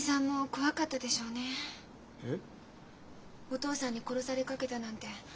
お父さんに殺されかけたなんて